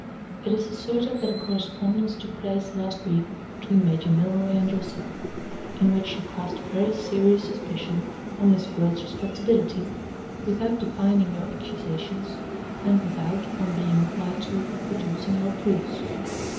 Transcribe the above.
It is asserted that a correspondence took place last week between Major Milroy and yourself; in which you cast a very serious suspicion on Miss Gwilt's respectability, without defining your accusations and without (on being applied to) producing your proofs.